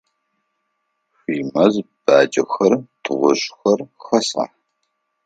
Шъуимэз баджэхэр, тыгъужъхэр хэсха?